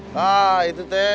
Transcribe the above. nah itu teh